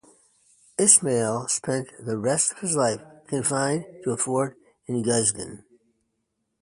Ismail spent the rest of his life confined to a fort in Guzgan.